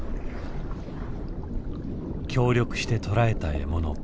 協力して捕らえた獲物。